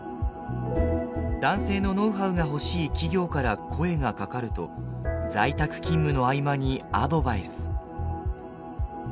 男性のノウハウが欲しい企業から声がかかると在宅勤務の合間にアドバイス。